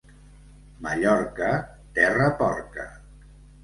Mallorca, terra porca.